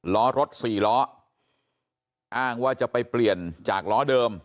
ล้อรถสี่ล้ออ้างว่าจะไปเปลี่ยนจากล้อเดิม